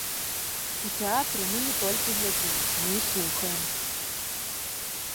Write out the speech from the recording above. У тэатры мы не толькі глядзім, мы і слухаем.